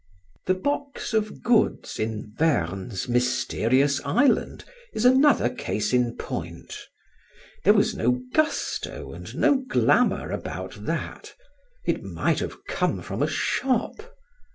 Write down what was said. The box of goods in Verne's Mysterious Island is another case in point: there was no gusto and no glamour about that; it might have come from a shop.